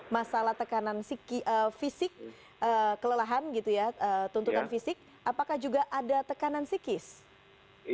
masalah tekanan fisik kelelahan gitu ya tuntutan fisik apakah juga ada tekanan psikis